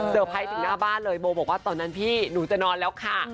ไพรส์ถึงหน้าบ้านเลยโบบอกว่าตอนนั้นพี่หนูจะนอนแล้วค่ะ